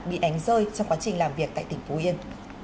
bị ánh rơi trong quá trình làm việc tại tp yên